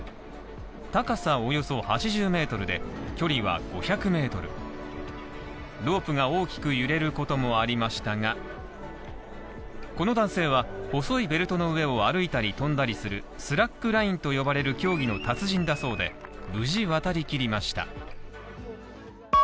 高さおよそ８０ｍで、距離は５００ｍロープが大きく揺れることもありましたが、この男性は細いベルトの上を歩いたり飛んだりするスラックラインと呼ばれる競技の達人だそうで、無事渡りきりました。